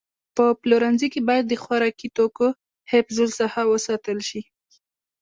په پلورنځي کې باید د خوراکي توکو حفظ الصحه وساتل شي.